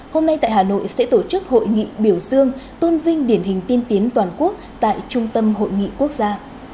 hôm nay tại hà nội sẽ tổ chức hội nghị biểu dương tôn vinh điển hình tiên tiến toàn quốc tại trung tâm hội nghị quốc gia